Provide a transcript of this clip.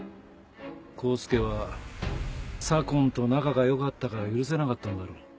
黄介は左紺と仲が良かったから許せなかったんだろう。